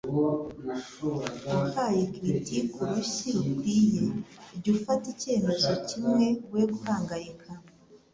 Uhaye critique urushyi rukwiye. Jya ufata icyemezo kimwe we guhangayika. ”